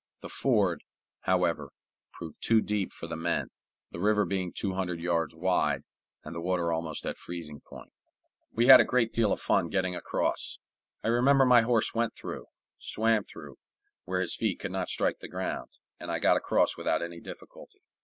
The ford, however, proved too deep for the men, the river being two hundred yards wide, and the water almost at freezing point. We had a great deal of fun getting across. I remember my horse went through swam through, where his feet could not strike the ground and I got across without any difficulty.